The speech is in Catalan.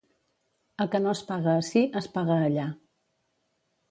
El que no es paga ací, es paga allà.